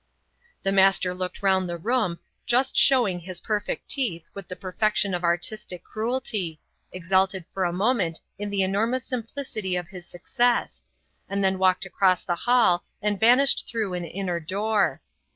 The Master looked round the room, just showing his perfect teeth with the perfection of artistic cruelty, exalted for a moment in the enormous simplicity of his success, and then walked across the hall and vanished through an inner door.